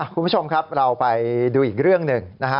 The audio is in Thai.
คุณผู้ชมครับเราไปดูอีกเรื่องหนึ่งนะฮะ